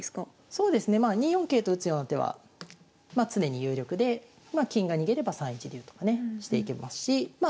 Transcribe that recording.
そうですねまあ２四桂と打つような手はまあ常に有力でまあ金が逃げれば３一竜とかねしていけますしま